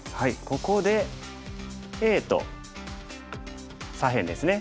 ここでＡと左辺ですね。